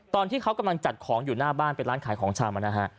ตอนที่เขากำลังจัดของอยู่หน้าบ้านเป็นร้านขายของชำนะฮะ